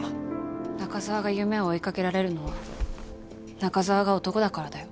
中澤が夢を追いかけられるのは中澤が男だからだよ。